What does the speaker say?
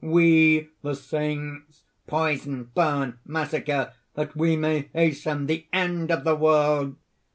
"We, the Saints, poison, burn, massacre, that we may hasten the end of the world.